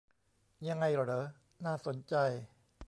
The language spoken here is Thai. ยังไงเหรอ น่าสนใจ